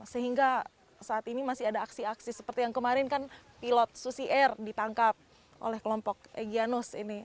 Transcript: sehingga saat ini masih ada aksi aksi seperti yang kemarin kan pilot susi air ditangkap oleh kelompok egyanus ini